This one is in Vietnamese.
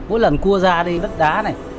mỗi lần cua ra đi bất đá này